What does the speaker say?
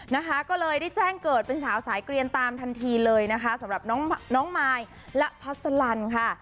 นะคะก็เลยได้แจ้งเกิดเป็นสาวสายเกลียนตามทันทีเลยนะคะสำหรับน้องน้องมายและพัสลันค่ะ